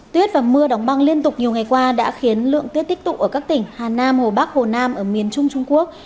tuyết và mưa đóng băng liên tục nhiều ngày qua đã khiến lượng tuyết tích tụ ở các tỉnh hà nam hồ bắc hồ nam ở miền trung trung quốc